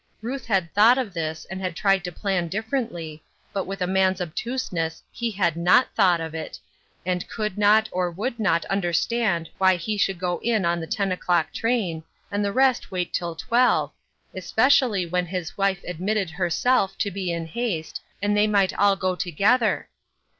Ruth had thought of this, and had tried to plan differently, but with a man's obtuseness he had not thought of it, and could not, or would not understand why he should go in on the ten o'clock train, and the rest wait until twelve, especially when Ms wife admitted herself to b« 334 Ruth Erskines Crosses. in haste and they might all go together.